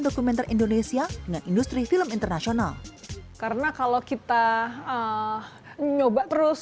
dokumenter indonesia dengan industri film internasional karena kalau kita nyoba terus